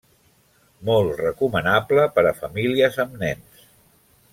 Molt recomanable per a famílies amb nens.